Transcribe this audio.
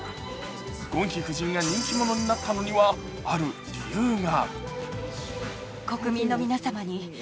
ゴンヒ夫人が人気者になったのにはある理由が。